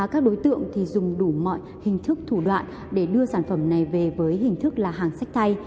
các đối tượng dùng đủ mọi hình thức thủ đoạn để đưa sản phẩm này về với hình thức là hàng sách tay